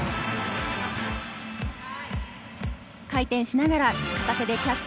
回転しながら片手でキャッチ。